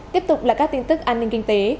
tiếp tục là các tin tức an ninh kinh tế